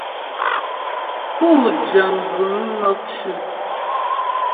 Pú jəŋ bvʉ̂m mɔkcʉ̌.